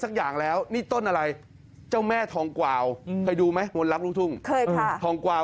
ความกวางครับ